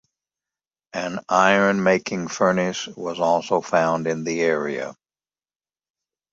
An iron making furnace was also found in the area.